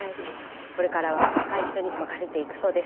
これからは若い人に任せていくそうです。